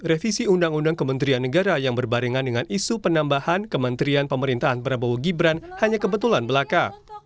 revisi undang undang kementerian negara yang berbarengan dengan isu penambahan kementerian pemerintahan prabowo gibran hanya kebetulan belaka